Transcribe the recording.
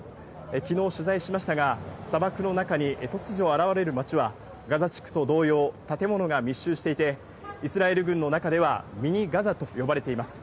きのう取材しましたが、砂漠の中に突如、現れる町は、ガザ地区と同様、建物が密集していて、イスラエル軍の中では、ミニ・ガザと呼ばれています。